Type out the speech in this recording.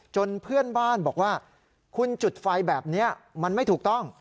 เพื่อนบ้านบอกว่าคุณจุดไฟแบบนี้มันไม่ถูกต้อง